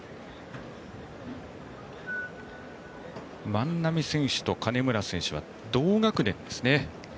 万波選手と金村選手は同学年ですね。